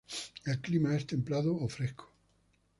El clima es templado o fresco.